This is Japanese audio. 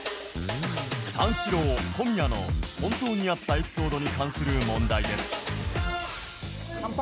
三四郎・小宮の本当にあったエピソードに関する問題です乾杯！